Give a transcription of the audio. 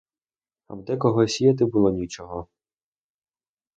А в декого сіяти було нічого?